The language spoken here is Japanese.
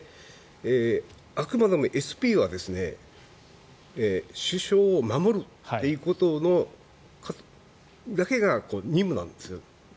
あくまでもＳＰは首相を守るということだけが任務なんですよ。